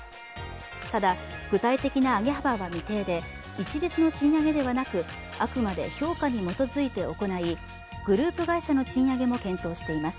ただ、具体的な上げ幅は未定で一律の賃上げではなくあくまで評価に基づいて行いグループ会社の賃上げも検討しています。